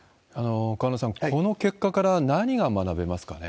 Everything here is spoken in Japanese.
河野さん、この結果から何が学べますかね？